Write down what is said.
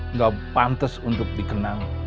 nggak pantas untuk dikenal